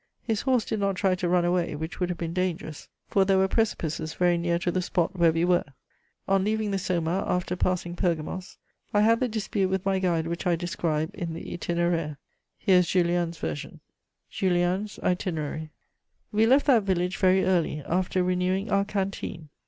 His horse did not try to run away, which would have been dangerous, for there were precipices very near to the spot where we were." On leaving the Soma, after passing Pergamos, I had the dispute with my guide which I describe in the Itinéraire. Here is Julien's version: JULIEN'S ITINERARY. "We left that village very early, after renewing our canteen.